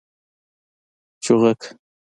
🐦 چوغکه